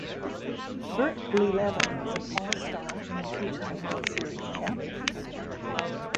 Bert Blyleven was an All-Star and two-time World Series champion.